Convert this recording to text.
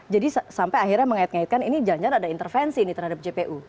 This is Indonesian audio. jadi sampai akhirnya mengait ngaitkan ini jangan jangan ada intervensi ini terhadap jpu